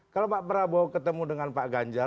kalau pak prabowo ketemu dengan pak ganjar